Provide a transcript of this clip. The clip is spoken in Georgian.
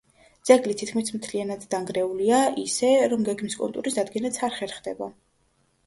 ძეგლი თითქმის მთლიანად დანგრეულია, ისე, რომ გეგმის კონტურის დადგენაც არ ხერხდება.